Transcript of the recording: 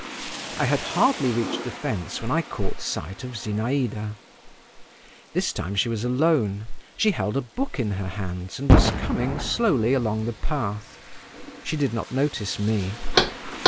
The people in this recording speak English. I had hardly reached the fence when I caught sight of Zinaïda. This time she was alone. She held a book in her hands, and was coming slowly along the path. She did not notice me.